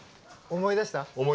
思い出したわ。